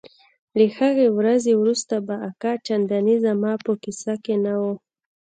له هغې ورځې وروسته به اکا چندانې زما په کيسه کښې نه و.